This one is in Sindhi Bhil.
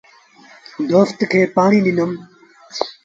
دوست کي پآڻي ڏنم۔